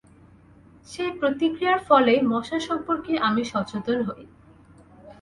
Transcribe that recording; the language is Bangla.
সেই প্রতিক্রিয়ার ফলেই মশা-সম্পর্কে আমি সচেতন হই।